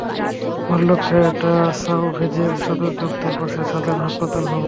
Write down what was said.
আমাদের লক্ষ্য এটা, সাওভ্যাজের সদর দপ্তর, পাশেই সাধারণ হাসপাতাল ভবন।